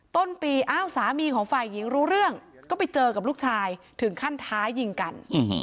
ต้นปีอ้าวสามีของฝ่ายหญิงรู้เรื่องก็ไปเจอกับลูกชายถึงขั้นท้ายิงกัน